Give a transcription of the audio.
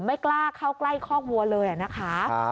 ไม่กล้าเข้าใกล้คอกวัวเลยนะคะ